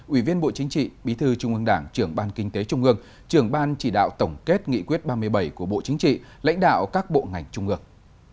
ủy viên bộ chính trị bí thư trung ương đảng trưởng ban kinh tế trung ương trưởng ban chỉ đạo tổng kết nghị quyết ba mươi bảy của bộ chính trị lãnh đạo các bộ ngành trung ương